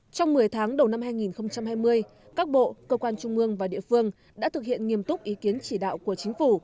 trong một mươi tháng đầu năm hai nghìn hai mươi các bộ cơ quan trung mương và địa phương đã thực hiện nghiêm túc ý kiến chỉ đạo của chính phủ